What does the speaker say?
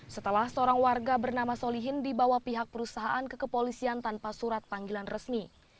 setelah seorang warga bernama solihin dibawa pihak perusahaan ke kepolisian tanpa surat panggilan resmi